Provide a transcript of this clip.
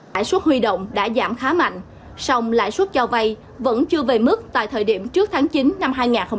lãi suất huy động đã giảm khá mạnh song lãi suất cho vay vẫn chưa về mức tại thời điểm trước tháng chín năm hai nghìn hai mươi ba